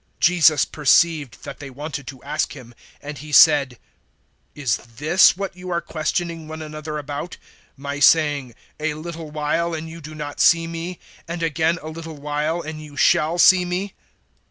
016:019 Jesus perceived that they wanted to ask Him, and He said, "Is this what you are questioning one another about my saying, `A little while and you do not see me, and again a little while and you shall see me'?